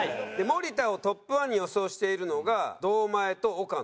森田をトップ１に予想しているのが堂前と岡野。